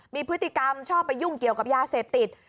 มีพฤติกรรมชอบไปยุ่งเกี่ยวกับยาเสพติด